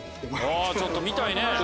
ちょっと見たいね。